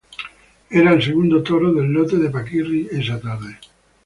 Era el segundo toro del lote de Paquirri esa tarde.